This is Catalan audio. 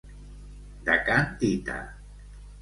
De can Tita.